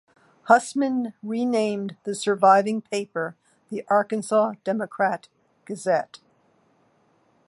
Hussman renamed the surviving paper the Arkansas Democrat-Gazette.